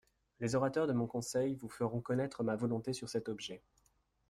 Les orateurs de mon conseil vous feront connaître ma volonté sur cet objet.